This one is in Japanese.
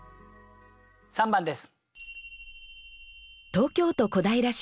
３番です。